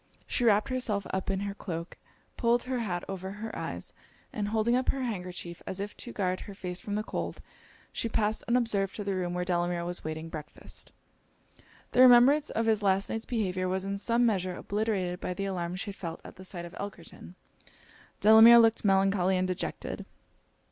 She wrapped herself up in her cloak, pulled her hat over her eyes, and holding up her handkerchief as if to guard her face from the cold, she passed unobserved to the room where Delamere was waiting breakfast. The remembrance of his last night's behaviour was in some measure obliterated by the alarm she had felt at the sight of Elkerton. Delamere looked melancholy and dejected.